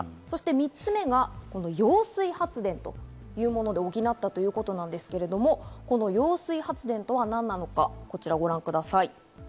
そして３つ目が揚水発電と言うもので補ったということなんですけれども、この揚水発電とは何なのか、こちらをご覧ください。